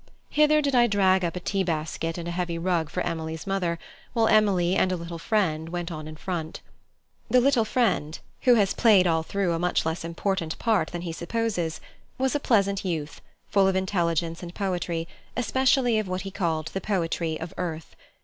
Hither did I drag up a tea basket and a heavy rug for Emily's mother, while Emily and a little friend went on in front. The little friend who has played all through a much less important part than he supposes was a pleasant youth, full of intelligence and poetry, especially of what he called the poetry of earth.